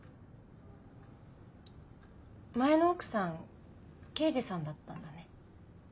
前の奥さん刑事さんだったんだね。